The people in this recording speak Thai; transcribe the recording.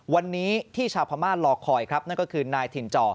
วันนี้ที่ชาวพม่ารอคอยครับนั่นก็คือนายถิ่นจอ